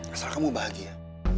asal kamu bahagia